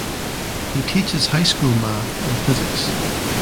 He teaches high school math and physics.